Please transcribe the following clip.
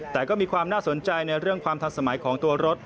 แต่ก็มีความน่าสนใจในเรื่องความทันสมัยของตัวรถ